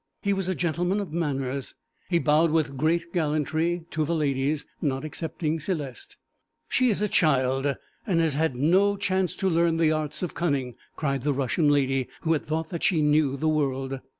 He was a gentleman of manners; he bowed with great gallantry to the ladies, not excepting Céleste. 'She is a child, and has had no chance to learn the arts of cunning,' cried the Russian lady, who had thought that she knew the world.